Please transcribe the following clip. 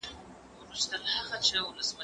زه به سبا سپينکۍ پرېولم!!